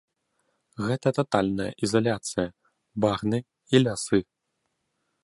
Гэта татальная ізаляцыя, багны і лясы.